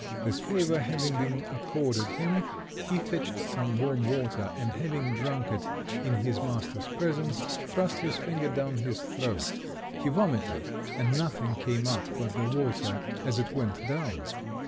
This favour having been accorded him, he fetched some warm water, and having drunk it in his master's presence, thrust his finger down his throat. He vomited, and nothing came up but the water as it went down.